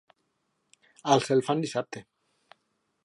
Al cel fan dissabte.